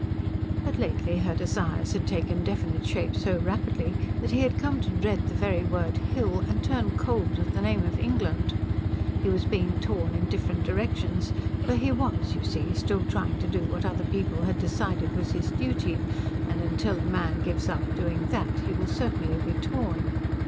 But lately her desires had taken definite shape so rapidly that he had come to dread the very word hill and turn cold at the name of England. He was being torn in different directions; for he was, you see, still trying to do what other people had decided was his duty, and till a man gives up doing that he will certainly be torn.